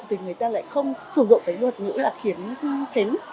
thì người ta lại không sử dụng cái luật ngữ là kiếm thính